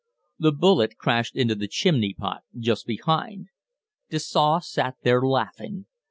The bullet crashed into a chimney pot just behind. Dessaux sat there laughing.